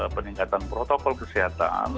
peningkatan protokol kesehatan